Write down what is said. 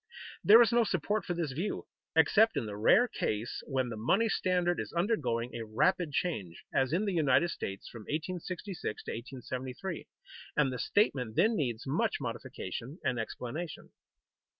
There is no support for this view, except in the rare case when the money standard is undergoing a rapid change, as in the United States from 1866 to 1873, and the statement then needs much modification and explanation.